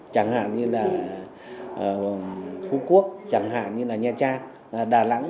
chẳng hạn như là phú quốc chẳng hạn như là nha trang đà nẵng